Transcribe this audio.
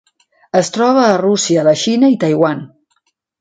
Es troba a Rússia, la Xina i Taiwan.